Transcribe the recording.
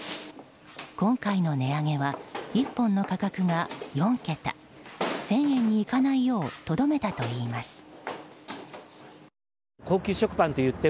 今回の値上げは１本の価格が４桁１０００円にいかないようとどめたといいます。